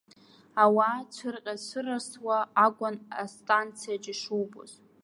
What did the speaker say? Ауаа цәырҟьа-цәырасуа акәын астанциаҿ ишубоз.